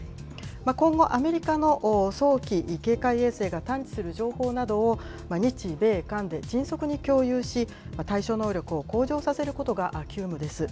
今後、アメリカの早期警戒衛星が探知する情報などを日米韓で迅速に共有し、対処能力を向上させることが急務です。